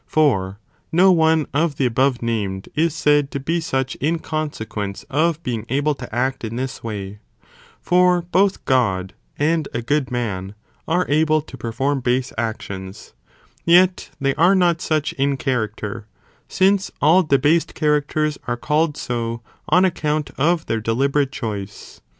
For no one of the above named is said to be such in consequence of being able to act in this way, for both God and a good man are able to perform base actions, yet they are not such in character, since all de hased characters are called so, on account of their deliberate choice.'!